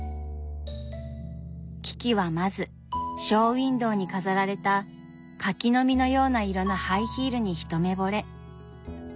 キキはまずショーウインドーに飾られた「柿の実のような色のハイヒール」に一目ぼれ。